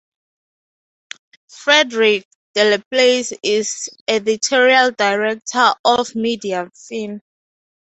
Frederik Delaplace is editorial director of Mediafin.